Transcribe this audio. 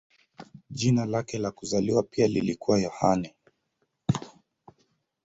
Jina lake la kuzaliwa pia lilikuwa Yohane.